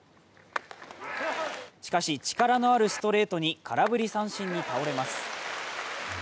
しかし、力のあるストレートに空振り三振に倒れます。